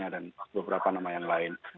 dan beberapa nama yang lain